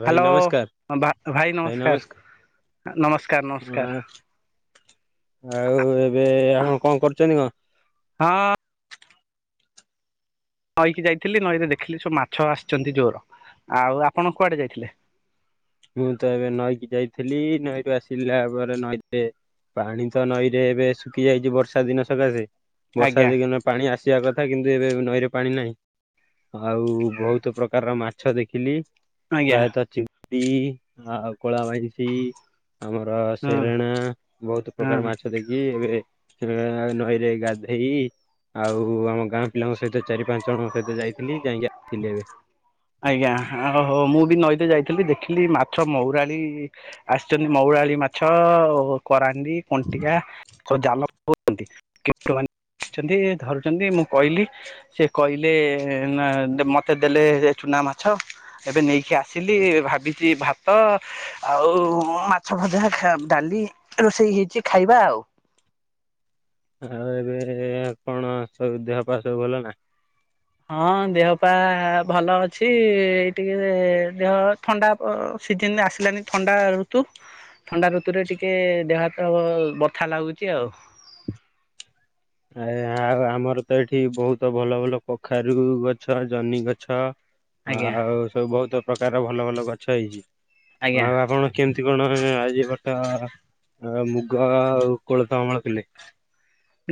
ଭାଇ ହ୍ୟାଲୋ ନମସ୍କାର ଭାଇ ନମସ୍କାର। ନମସ୍କାର ନମସ୍କାର। ଆଉ ଏବେ ଆପଣ କଣ କରୁଛନ୍ତି କଣ? ହଁ। ନଈକି ଯାଇଥିଲି ନଈରେ ଦେଖିଲି ସବୁ ମାଛ ଆସିଛନ୍ତି ଜୋର। ଆଉ ଆପଣ କୁଆଡେ ଯାଇଥିଲେ? ମୁଁ ତ ଏବେ ନଈକି ଯାଇଥିଲି ନଈରୁ ଆସିଲା ପରେ ନଈତେ ପାଣି ତ ନଈରେ ଏବେ ଶୁଖି ଯାଇଛି ବର୍ଷା ଦିନ ସକାଶେ, ବର୍ଷା ଆଜ୍ଞା ଦିନ ପାଣି ଆସିବା କଥା କିନ୍ତୁ ଏବେ ନଈରେ ପାଣି ନାହିଁ। ଆଉ ବହୁତ ପ୍ରକାରର ମାଛ ଦେଖିଲି। ଆଜ୍ଞା। ପ୍ରାୟତଃ ଚିଙ୍ଗୁଡ଼ି ଆଉ କଳା ଭଇଁଷି ଆମର ହୁଁ ସେରେଣା ବହୁତ ପ୍ରକାର ମାଛ ଦେକି ଏବେ ନଈରେ ଗାଧେଇ ଆଉ ଆମ ଗାଁ ପିଲାଙ୍କ ସହିତ ଚାରି ପାଞ୍ଚ ଜଣଙ୍କ ସହିତ ଯାଇଥିଲି ଯାଇକି ଆସିଲି ଏବେ। ଆଜ୍ଞା ଓହୋ ମୁଁ ବି ନଈତ ଯାଇଥିଲି ଦେଖିଲି ମାଛ ମଉରାଳି ଆସିଛନ୍ତି ମଉରାଳି ମାଛ କରାଣ୍ଡି କୁଣ୍ଟିଆ ଜ ଆ ଧରୁଛନ୍ତି ମୁଁ କହିଲି ସେ କହିଲେ ନା ମତେ ଦେଲେ ଚୁନା ମାଛ। ଏବେ ନେଇକି ଆସିଲି ଭାବିଚି ଭାତ ଆଉ ମାଛ ଭଜା ଡାଲି ରୋଷେଇ ହେଇଛି ଖାଇବା ଆଉ। ଆଉ ଏବେ କଣ ସବୁ ଦେହ ପା ସବୁ ଭଲ ନା? ହଁ ଦେହ ପା ଭଲ ଅଛି ଏଇ ଟିକେ ଦେହ ଥଣ୍ଡା ସିଜିନ ଆସିଲାନି ଥଣ୍ଡା ଋତୁ ଥଣ୍ଡା ଋତୁରେ ଟିକେ ଦେହ ହାତ ବଥା ଲାଗୁଛି ଆଉ। ଆ ଆଉ ଆମର ତ ଏଠି ବହୁତ ଭଲ ଭଲ କଖାରୁ ଗଛ ଜହ୍ନି ଗଛ ଆଜ୍ଞା ଆଉ ସବୁ ବହୁତ ପ୍ରକାର ଭଲ ଭଲ ଗଛ ହେଇଚି। ଆଜ୍ଞା। ଆଉ ଆପଣ କେମତି କଣ ଆଜି ପଟା ମୁଗ ଆଉ କୋଳଥ ଅମଳ କଲେ।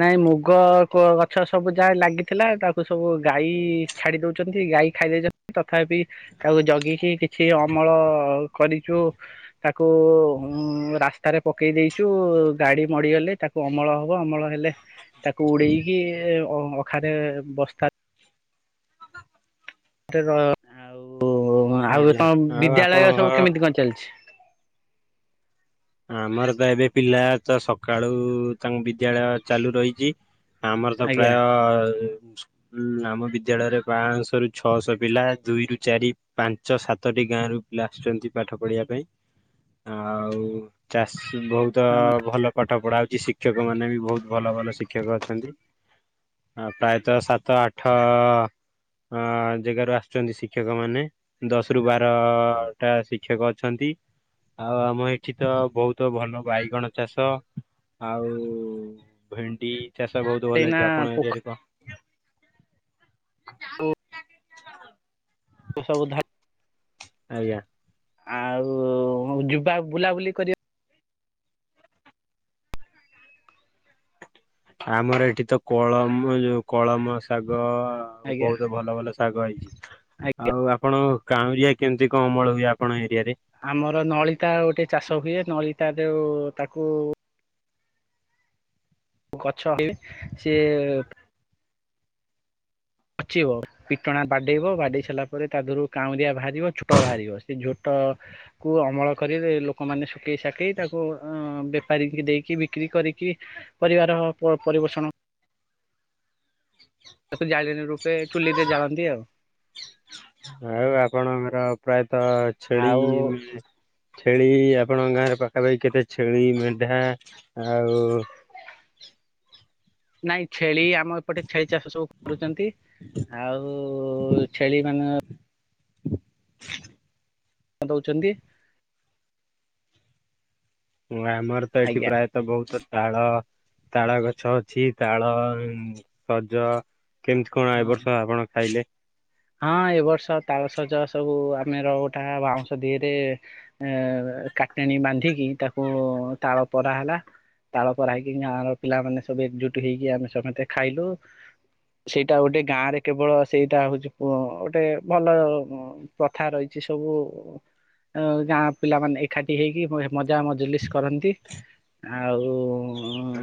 ନାଇଁ ମୁଗ ଗଛ ସବୁ ଯାହା ଲାଗିଥିଲା ତାକୁ ସବୁ ଗାଈ ଛାଡ଼ି ଦଉଛନ୍ତି ଗାଈ ଖାଇ ଦେଇେଇଚନ୍ତି। ତଥାପି ତାକୁ ଜଗିକି କିଛି ଅମଳ କରିଚୁ ତାକୁ ରାସ୍ତାରେ ପକେଇ ଦେଇଛୁ ଗାଡି ମଡ଼ିଗଲେ ତାକୁ ଅମଳ ହବ। ଅମଳ ହେଲେ ତାକୁ ଉଡେଇକି ଅ ଅଖାରେ ବସ୍ତା ଆଉ ଆଉ ଆଜ୍ଞା ତମ ଆଉ ବିଦ୍ୟାଳୟ ଆପଣଙ୍କ ସବୁ କେମିତି କଣ ଚାଲିଛି ଆମରତ ଏବେ ପିଲାତ ସକାଳୁ ତାଙ୍କ ବିଦ୍ୟାଳୟ ଚାଲୁ ରହିଚି ଆମରତ ଆଜ୍ଞା ପ୍ରାୟ ହୁଁ ଆମ ବିଦ୍ୟାଳୟରେ ପାଁଶହରୁ ଛଅଶହ ପିଲା ଦୁଇରୁୁ ଚାରି। ପାଞ୍ଚ ସାତଟି ଗାଁରୁ ପିଲା ଆସୁଛନ୍ତି ପାଠ ପଢ଼ିବା ପାଇଁ ଆଉ। ଚାଷୀ ବହୁତ ଭଲ ପାଠ ପଢା ହଉଚି ଶିକ୍ଷକ ମାନେବି ବହୁତ ଭଲ ଭଲ ଶିକ୍ଷକ ଅଛନ୍ତି। ହଁ ପ୍ରାୟତଃ ସାତ ଆଠ। ଅ ଜେଗାରୁ ଆସୁଛନ୍ତି ଶିକ୍ଷକ ମାନେ। ଦଶ ରୁ ବାରଟା ଶିକ୍ଷକ ଅଛନ୍ତି ଆଉ ଆମଏଠି। ତ ବହୁତ ଭଲ ବାଇଗଣ ଚାଷ ଆଉ ଭେଣ୍ଡି। ଚାଷ ବହୁତ ଭଲ ଏଇନା ଅଛି ଆପଣ ପୋଖରୀ ଏରିଆରେ କଣ। ଓହୋ। ସବୁ ଧାନ। ଆଜ୍ଞା। ଆଉ ଯିବା ବୁଲାବୁଲି କରିବା। ଆମର ଏଠିତ କଳମ ଯୋଉ କଳମ ଶାଗ। ଆଉ ଆଜ୍ଞା ବହୁତ ଭଲ ଭଲ ଶାଗ ହେଇଛି ଆଜ୍ଞା ଆଉ ଆପଣ। କାଉଁରିଆ କେମିତି କଣ ଅମଳ ହୁଏ ଆପଣଙ୍କ ଏରିଆରେ। ଆମର ନଳିତା ଗୋଟେ ଚାଷ ହୁଏ। ନଳତା ଯେଉଁ ତାକୁ। ଗଛଲଗେଇବେ ସିଏ। ପଚିବ ପିଟଣା ବାଡେଇବ ବାଡେଇ ସାରିଲା ପରେ ତାଦେହରୁ କାଉଁଦିଆ ବାହାରିବ, ଝୋଟ ବାହାରିବ। ସେ ଝୋଟ। କୁ ଅମଳ କରିବେ ଲୋକମାନେ ଶୁଖେଇ ସାକେଇ ତାକୁ ଅ ବେପାରୀ ଦେଇକି ବିକ୍ରି କରିକି। ପରିବାର ପରିପୋଷଣ। ତାକୁ ଜାଳେଣି ରୂପେ ଚୁଲିରେ ଜାଳନ୍ତି ଆଉ। ଆଉ ଆପଣ ପ୍ରାୟତ ଛେଳି। ଆଉ ଛେଳି ଆପଣଙ୍କ ଗାଁରେ ପାଖାପାଖି କେତେ ଛେଳି ମେଣ୍ଢା ଆଉ। ନାଇଁ ଛେଳି ଚାଷ ଆମ ଏପଟେ ଛେଳି ଚାଷ ସବୁ କରୁଚନ୍ତି। ଆଉ ଛେଳି ମାନେ। କଣ ଦଉଚନ୍ତି। ଆମରତ ଏଠି ଆଜ୍ଞା ପ୍ରାୟତଃ ବହୁତ। ତାଳ ତାଳଗଛ ଅଛି ତାଳସଜ। କେମିତି କଣ ଏ ହଁ ବର୍ଷ ଆପଣ ଖାଇଲେ। ହଁ ଏ ବର୍ଷ ତାଳସଜ ସବୁ ଆମେର ଗୋଟେ ବାଉଁଶ ଦେହରେ। ଏ କାଟଣୀ ବାନ୍ଧିକି ତାକୁ ତାଳ ପରା ହେଲା। ତାଳ ପରହେଇକି ଗାଁ ର ପିଲାମାନେେ ସବୁ ଏକଜୁଟ ହେଇକି ଆମେ ସମସ୍ତେ ଖାଇଲୁ। ସେଇଟା ଗୋଟେ ଗାଁ ରେ କେବଳ ସେଇଟା ହଉଛି ଗୋଟେ ଭଲ। ପ୍ରଥା ରହିଛି ସବୁ ଗାଁ ପିଲାମାନେ ଏକାଠି ହେଇକି। ମଜା ମଜଲିସ କରନ୍ତି ଆଉ।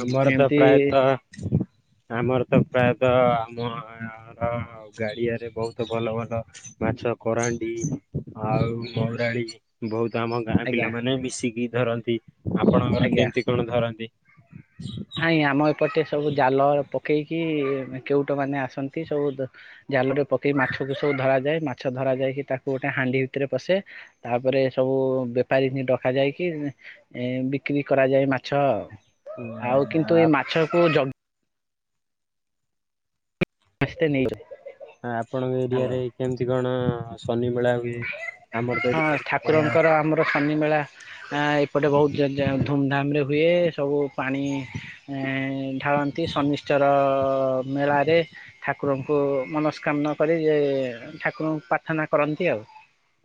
ଆମର ତ ଏମିତି ପ୍ରାୟତଃ। ଆମରତ ପ୍ରାୟତଃ ଆମର। ଗାଡ଼ିଆରେ ବହୁତ ଭଲ ଭଲ ମାଛ କରାଣ୍ଡି ଆଉ ମହୁରାଳି। ବହୁତ ଆମ ଗାଁ ଆଜ୍ଞା ପିଲାମାନେ ମିଶିକି ଧରନ୍ତି ଆପଣଙ୍କର ଆଜ୍ଞା କେମିତି କଣ ଧରନ୍ତି। [unintelligible] ନାଇଁ ଆମ ଏପଟେ ସବୁ ଜାଲ ପକେଇକି କେଉଟ ମାନେ ଆସନ୍ତି ସବୁ। ଜାଲରେ ପକେଇ ମାଛକୁ ସବୁ ଧରାଯାଏ। ମାଛ ଧରା ଯାଇକି ତାକୁ ଗୋଟେ ହାଣ୍ଡି ଭିତରେ ପଶେ। ତାପରେ ସବୁ ବେପାରିକି ଡକାଯାଇକି। ଏ ବିକ୍ରି କରାଯାଏ ମାଛ। ଉଁ, ଆଉ କିନ୍ତୁ ଏଇ ଆ- ମାଛକୁ ଯଗି। ସମସ୍ତେ ନେଇଗଲେ। ଆ ଆପଣଙ୍କ ଏରିଆରେ କେମିତି କଣ-ଅ-ଅ ଶନିମେଳା ହୁଏ? ଆମର ତ ହଁ ଏଇଠି ବହୁତ ବଢିଆ ଠାକୁରଙ୍କର ଆମର ଶନି ମେଳା ଆ ଏପଟେ ବହୁତ ଜ ଯେ ଧୁମ୍ ଧାମ୍ ରେ ହୁଏ-ଏ-ଏ ସବୁ ପାଣି ଏ-ଏ-ଏ ଢାଳନ୍ତି ସନିଶ୍ଚର-ଅ-ଅ-ଅ ମେଳାରେ। ଠାକୁରଙ୍କୁ ମନସ୍କାମନା କରି ଯେ-ଏ-ଏ ଠାକୁରଙ୍କୁ ପ୍ରାର୍ଥନା କରନ୍ତି ଆଉ।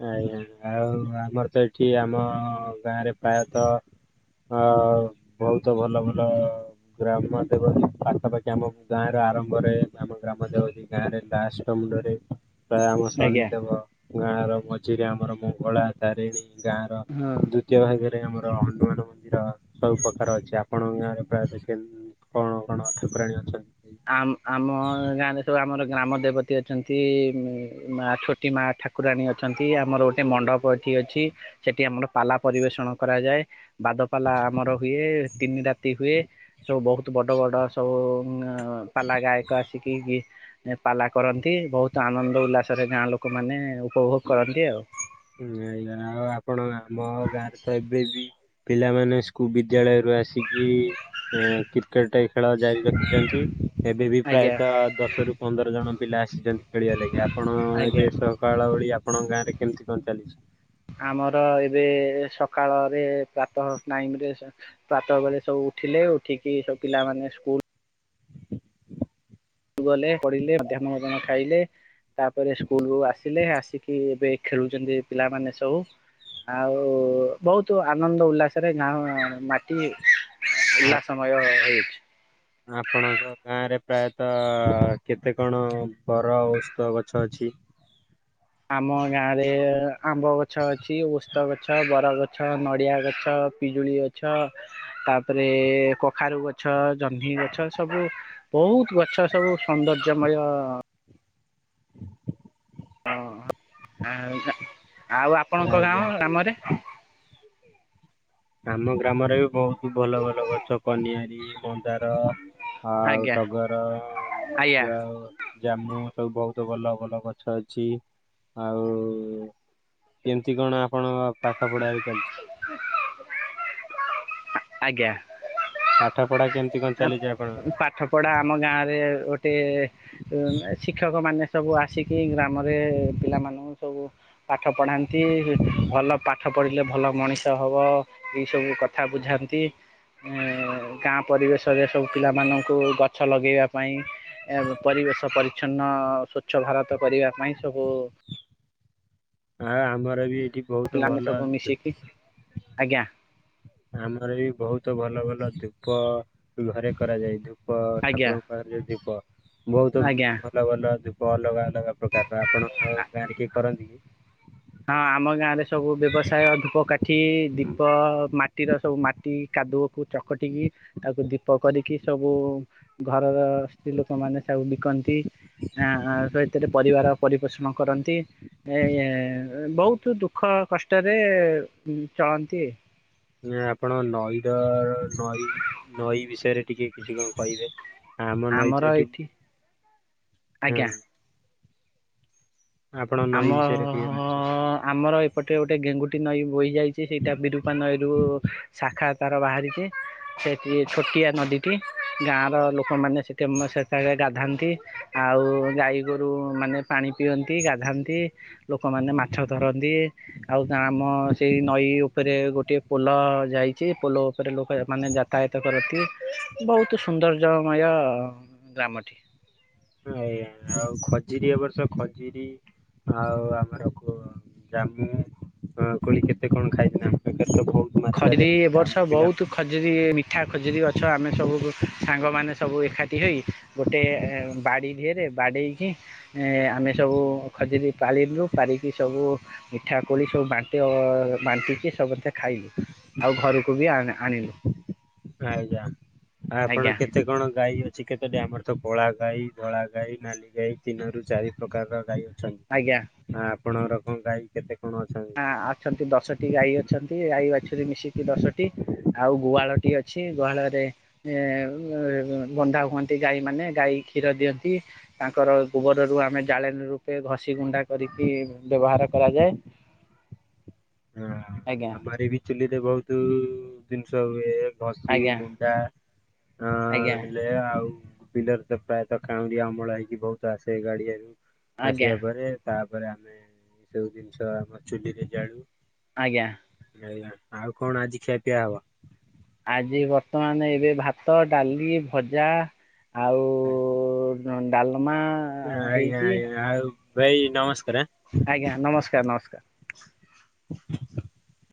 ଆଜ୍ଞା ଆଉ ଆମର ତ ଏଠି ଆମ-ଅ-ଅ-ଅ ଗାଁରେ ପ୍ରାୟତଃ ଅ-ଅ-ଅ ବହୁତ ଭଲ ଭଲ ଗ୍ରାମ ଦେବତୀ ପାଖାପାଖି ଆମ ଗାଁ ର ଆରମ୍ଭରେ ଆମ ଗ୍ରାମ ଦେବତୀ ଗାଁ ରେ ତାସ୍ ଟ ମୁଣ୍ଡରେ ପ୍ରାୟ ଆମ ଆଜ୍ଞା ଶନିଦେବ ଗାଁର ମଝିରେ ଆମର ମଙ୍ଗଳା, ତାରିଣୀ। ଗାଁ ର ହଁ ଦୁ ଜ୍ୟ ଭାଗରେ ଆମର ହନୁମାନ ମନ୍ଦିର ସବୁପକାର ଅଛି। ଆପଣଙ୍କ ଗାଁରେ ପ୍ରାୟ [unintelligible] କଣ କଣ ଠାକୁରାଣୀ ଅଛନ୍ତି? ଆମ ଆମ ଗାଁରେ ସବୁ ଆମର ଗ୍ରାମ ଦେବତୀ ଅଛନ୍ତି-ଇ-ଇ-ଇ ମ ଛୋଟି ମା ଠାକୁରାଣୀ ଅଛନ୍ତି ଆମର ଗୋଟେ ମଣ୍ଡପ ଏଠି ଅଛି। ସେଠି ଆମର ପାଲା ପରିବେଷଣ କରାଯାଏ। ବାଦପାଲା ଆମର ହୁଏ, ତିନି ରାତି ହୁଏ। ସବୁ ବହୁତ ବଡ଼ ବଡ଼ ସବୁ-ଉ-ଉ ନା ଆ ପାଲା ଗାୟକ ଆସିକି-ଇ-ଇ ଗୀ ଏ ପାଲା କରନ୍ତି ବହୁତ ଆନନ୍ଦ ଉଲ୍ଲାସରେ ଗାଁ ଲୋକମାନେ ଉପଭୋଗ କରନ୍ତି ଆଉ। ହୁଁ ଏଆ ଆଉ ଆପଣ ଆମ ଗାଁରେ ତ ଏବେ ବି ପିଲାମାନେ ସ୍କୁ ବିଦ୍ୟାଳୟରୁୁ ଆସିକି ଏ କ୍ରିକେଟ ଖେଳ ଯାଇ ରଖିଛନ୍ତି ଏବେ ବି ଆଜ୍ଞା ପ୍ରାୟତଃ ଦଶ ରୁ ପନ୍ଦର ଜଣ ପିଲା ଆସିଛନ୍ତି ଖେଳିବା ଲାଗି ଆପଣ-ଅ-ଅ-ଅ ଆଜ୍ଞା ଏବେ ତ ପାଲାବଳି ଆପଣଙ୍କ ଗାଁରେ କେମିତି କଣ ଚାଲିଛି? ଆମର ଏବେ-ଏ-ଏ ସକାଳରେ ପ୍ରାତଃ ଟାଇମ ରେ ପ୍ରାତ ବେଳେ ସବୁ ଉଠିଲେ ଉଠିକି ସବୁ ପିଲାମାନେ ସ୍କୁଲ ଗଲେ ପଢିଲେ ମଧ୍ୟାହ୍ନ ଭୋଜନ ଖାଇଲେ। ତାପରେ ସ୍କୁଲ ରୁ ଆସିଲେ ଆସିକି ଏବେ ଖେଳୁଛନ୍ତି ପିଲାମାନେ ସବୁ। ଆଉ-ଉ-ଉ-ଉ ବହୁତ ଆନନ୍ଦ ଉଲ୍ଲାସରେ ଗାଁ-ଆ ମାଟି ଆ ଉଲା ସମୟ ହେଇ ଆପଣଙ୍କ ଗାଁରେ ପ୍ରାୟତଃ-ଅ-ଅ-ଅ କେତେ କଣ ବର ଔସ୍ତ ଗଛ ଅଛି? ଆମ ଗାଁ ରେ-ଏ-ଏ ଆମ୍ବ ଗଛ ଅଛି, ଓସ୍ ତ ଗଛ, ବରଗଛ, ନଡ଼ିଆ ଗଛ, ପିଜୁଳି ଗଛ। ତାପରେ-ଏ-ଏ କଖାରୁ ଗଛ, ଜହ୍ନି ଗଛ ସବୁ ବହୁତ ଗଛ ସବୁ ସୌନ୍ଦର୍ଯ୍ୟମୟ-ଅ-ଅ ହଁ ଆଉ ଆପଣଙ୍କ ଗାଁ ଆଜ୍ଞା ଗ୍ରାମରେ? ଆମ ଗ୍ରାମରେ ବି ବହୁତ ଭଲ ଭଲ ଗଛ କନିଆରି ମନ୍ଦାର ଆଉ ଆଜ୍ଞା ଟଗର ଆଜ୍ଞା ଯ ଆଉ ଜାମୁ ସବୁ ବହୁତ ଭଲ ଭଲ ଗଛ ଅଛି ଆଉ-ଉ-ଉ କେମିତି କଣ ଆପଣଙ୍କ ପାଠ ପଢା ବି ଚାଲିଛି? ଆଜ୍ଞା। ପାଠ ପଢା କେମିତି କଣ ଚାଲିଛି ଆପଣଙ୍କର? ଠପଡ଼ା ଆମ ଗାଁରେ ଗୋଟେ-ଏ-ଏ ଉ-ଉ ଏ ଶିକ୍ଷକ ମାନେ ସବୁ ଆସିକି ଗ୍ରାମରେ-ଏ-ଏ ପିଲାମାନ ସବୁ ପାଠ ପଢ଼ାନ୍ତି-ଇ-ଇ ଭଲ ପାଠ ପଢ଼ିଲେ ଭଲ ମଣିଷ ହବ ଏ ସବୁ କଥା ବୁଝାନ୍ [unintelligible] ଗାଁ ପରିବେଶରେ ସବୁ ପିଲାମାନଙ୍କୁ ଗଛ ଲଗେଇବା ପାଇଁ ପରିବେଶ ପରିଛନ୍ନ ସ୍ବଚ୍ଛ ଭାରତ କରିବା ପାଇଁ ସବୁ ଆ ଆମର ବି ଏଠି ବହୁତ ପିଲାମାନେ ଭଲ। ସବୁ ମିଶିକି ଆଜ୍ଞା। ଆମର ବି ବହୁତ ଭଲ ଭଲ ଧୂପ ଘରେ କରାଯାଏ। ଧୂପ ଆଜ୍ଞା ଠାକୁରଙ୍କୁ [inaudible] ଅଲଗା ଆଜ୍ଞା ଅଲଗ ଧୂପ ଅଲଗା ଅଲଗା ପ୍ରକାରର। ଆପଣଙ୍କ ଗାଁରେ କିଏ କରନ୍ତି କି? ହଁ, ଆମ ଗାଁ ରେ ସବୁ ବ୍ୟବସାୟ ଧୂପ କାଠି- ଏଠି ଦୀପ ମାଟିର ସବୁ ମାଟି କାଦୁଅକୁ ଚକଟିକି ତାକୁ ଦୀପ କରିକି ସବୁ ଘରର ସ୍ତ୍ରୀ ଲୋକମାନ ସବୁ ବିକନ୍ତି। ଏ ସେ ଏଥିରେ ପରିବାର ପରିପୋଷଣ କରନ୍ତି। [unintelligible] ବହୁତ ଦୁଃଖ କଷ୍ଟରେ ଚଳନ୍ତି। ଆପଣ ନଈ ର ନଈ ନଈ ବିଷୟରେ ଟିକେ କିଛି କଣ କହିବେ? ଆମ ଆମର ନଈଚ ଏଠି ଏଇଠି ହଁ ଆଜ୍ଞା। ଆପଣ ଆମ ନଈ ବିଷୟରେ ଟିକେ ଜାଣିଛନ୍ତି। ଆମର ଏପଟେ ଗୋଟେ ଗେଙ୍ଗୁଟି ନଈ ବହି ଯାଇଛି ସେଇଟା ବିରୁପା ନଈରୁ ଶାଖା ତାର ବାହାରିଛି। ସେଠି ଛୋଟିଆ ନଦୀଟି। ଗାଁ ର ଲୋକମାନେ ସେଠି ସେ ଗାଧାନ୍ତି। ଆଉ ଗାଈ ଗୋରୁ ମାନେ ପାଣି ପିଅନ୍ତି ଗାଧାନ୍ତି। ଲୋକମାନେ ମାଛ ଧରନ୍ତି। ଆଉ ଗ ଆମ ସେଇ ନଈ ଉପରେ ଗୋଟେ ପୋଲ ଯାଇଛି। ପୋଲ ଉପରେ ଲୋକ ମାନେ ଯ ତାୟତ କରନ୍ତି ବହୁତ ସୁୌନ୍ଦର୍ଯ୍ୟମୟ ଗ୍ରାମଟି। [inaudible] [inaudible] ଖଡିରି ଏବ ହେଇଥିଲା ଆମ ବର୍ଷ ପିଲା ବହୁତ ଖଜୁରୀ ମିଠା ଖଜୁରୀ ଗଛ ଆମେ ସବୁ ସାଙ୍ଗମାନେ ସବୁ ଏକାଠି ହୋଇ ଗୋଟେ ବାଡି ଝିଅରେ ବାଡେଇକି ଏ ଆମେ ସବୁ ଖଜୁରୀ ପାରିଲୁ। ପାରିକି ସବୁ ମିଠା କୋଳି ସବୁ ବାଣ୍ଟି ବାଣ୍ଟିଛି ସମସ୍ତେ ଖାଇଲୁ। ଆଉ ଘରକୁ ବି ଆ ଆଣିଲୁ। ଆଜ୍ଞା [unintelligible] କେତେ କଣ ଗାଈ ଅଛି କେତେଟ ଆମର ତ କଳା ଗାଈ, ଧଳା ଗାଈ, ନାଲି ଗାଈ, ତିନରୁ ଚାରି ପ୍ରକାରର ଗାଈ ଅଛନ୍ତି। ଆଜ୍ଞା। ଆ ଆପଣଙ୍କର କଣ ଗାଈ କେତେ କଣ ଅଛନ୍ତି? ଅଛନ୍ତି ଦଶଟି ଗାଈ ଅଛନ୍ତି ଗାଈ ବାଛୁରୀ ମିଶିକି ଦଶଟି। ଆଉ ଗୁହାଳଟି ଅଛି ଗୁହାଳରେ ଏ ବଧା ହୁଅନ୍ତି ଗାଈ ମାନେ ଗାଈ କ୍ଷୀର ଦିଅନ୍ତି। ତାଙ୍କର ଗୋବର ରୁ ଆମେ ଜାଳେଣି ରୂପେ ଘଷି ଗୁଣ୍ଡା କରିକି ବ୍ୟବହାର କରାଯାଏ। ହଁ ଆଜ୍ଞା। [unintelligible] ଚୁଲିରେ ବହୁତ ଜିନିଷ ହୁଏ। ଘସି ଆଜ୍ଞା ଗୁଣ୍ଡା ଅ ଆଜ୍ଞା ଆଉ ବିଲରେର ତ ପ୍ରାୟତଃ କାାଉଁରିୀ ଅମଳ ହେଇକି ବହୁତ ଆସେ ଏଇ ଗାଡିଆରୁ ଆଜ୍ଞା ଆସିବା ପରେ ତାପରେ ଆମେ ଏ ସବୁ ଜିନିଷ ଆମ ଚୁଲିରେ ଜାଳୁ। ଆଜ୍ଞା। ଆଁୟା ଆଉ କଣ ଆଜି ଖିଆ ପିଆ ହବ। ଆଜି ବର୍ତ୍ତମାନ ଏବେ ଭାତ ଡାଲି ଭଜା ଆଉ ନନେ ଡାଲ୍ମା ଆଇଁଆ ଆଇଁଆ ଆଉ ଭାଇ ନମସ୍କାରେ ଆଁ ଆଜ୍ଞା ନମସ୍କାର ନମସ୍କାର। [inaudible]